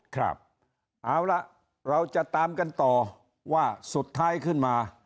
ครับเอาล่ะเราจะตามกันต่อว่าสุดท้ายขึ้นมา